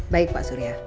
baik pak surya